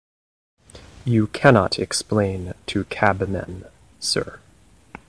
You cannot explain to cabmen, sir.